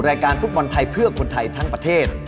รายการฟุตบอลไทยเพื่อคนไทยทั้งประเทศ